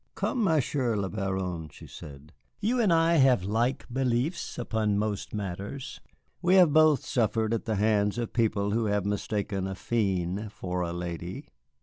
"Come, Monsieur le Baron," she said, "you and I have like beliefs upon most matters. We have both suffered at the hands of people who have mistaken a fiend for a Lady."